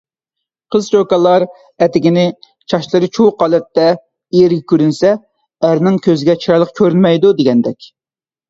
قىز-چوكانلار ئەتىگىنى چاچلىرى چۇۋۇق ھالەتتە ئېرىگە كۆرۈنسە، ئەرنىڭ كۆزىگە چىرايلىق كۆرۈنمەيدۇ، دېگەندەك.